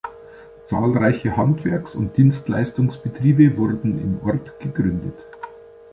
Zahlreiche Handwerks- und Dienstleistungsbetriebe wurden im Ort gegründet.